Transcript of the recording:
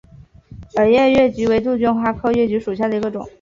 耳叶越桔为杜鹃花科越桔属下的一个种。